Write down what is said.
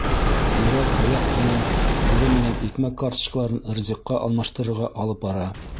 Һирәк-Һаяҡ ҡына үҙе менән икмәк карточкаларын ризыҡҡа алмаштырырға алып бара.